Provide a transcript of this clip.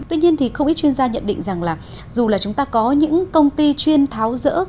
tuy nhiên thì không ít chuyên gia nhận định rằng là dù là chúng ta có những công ty chuyên tháo rỡ